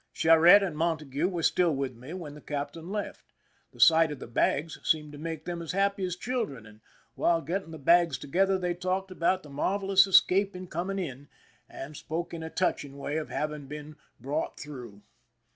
Charette and Montague were still with me when the captain left. The sight of the bags seemed to make them as happy as children, and while getting the bags together they talked about the marvelous escape in coming in, and spoke in a touching way of having been "brought through."